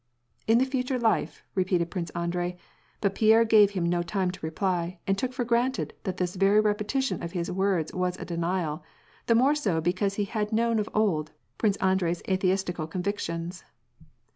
" In the future life ?" repeated Prince Andrei, but Pierre , gave him no time to reply, and took for granted that this very repetition of his words was a denial, the more so because he ha!d known of old. Prince Andrei's atheistical convictions.